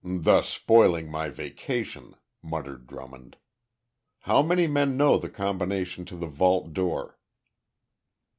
"Thus spoiling my vacation," muttered Drummond. "How many men know the combination to the vault door?"